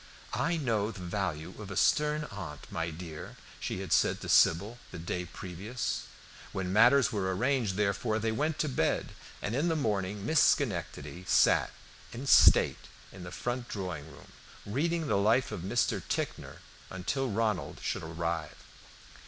"I know the value of a stern aunt, my dear," she had said to Sybil the day previous. When matters were arranged, therefore, they went to bed, and in the morning Miss Schenectady sat in state in the front drawing room, reading the life of Mr. Ticknor until Ronald should arrive.